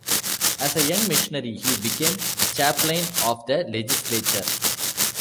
As a young missionary he became chaplain of the legislature.